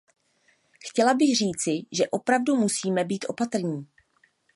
Chtěla bych říci, že opravdu musíme být opatrní.